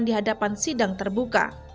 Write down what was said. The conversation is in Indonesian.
di hadapan sidang terbuka